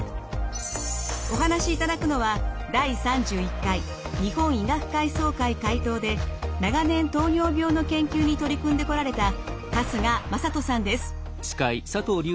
お話しいただくのは第３１回日本医学会総会会頭で長年糖尿病の研究に取り組んでこられた春日雅人さんです。